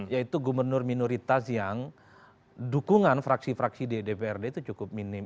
yaitu gubernur minoritas yang dukungan fraksi fraksi di dprd itu cukup minim